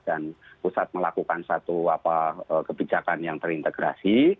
dan pusat melakukan satu kebijakan yang terintegrasi